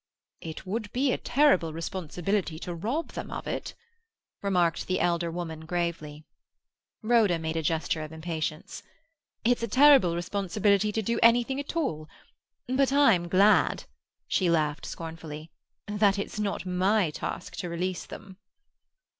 "It would be a terrible responsibility to rob them of it," remarked the elder woman gravely. Rhoda made a gesture of impatience. "It's a terrible responsibility to do anything at all. But I'm glad"—she laughed scornfully—"that it's not my task to release them."